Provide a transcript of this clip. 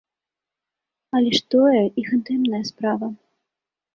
Але ж тое іх інтымная справа.